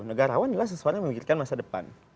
negarawan adalah sesuatu yang memikirkan masa depan